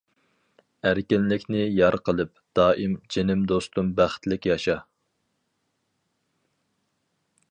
ئەركىنلىكنى يار قىلىپ دائىم، جىنىم دوستۇم بەختلىك ياشا.